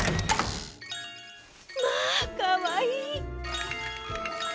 まあかわいい。